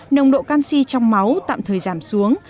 nồng độ canxi trong máu tạm thời giảm xuống